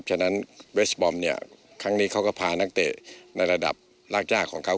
ฉะนั้นเวสบอมเนี่ยครั้งนี้เขาก็พานักเตะในระดับรากยากของเขา